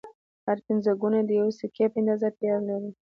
هر پنځه ګون د یوې سکې په اندازه پیر لري